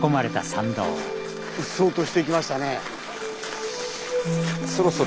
うっそうとしてきましたね。